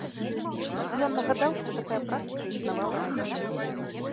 Ён нагадаў, што такая практыка існавала раней.